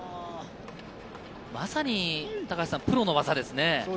まさにプロの技ですね。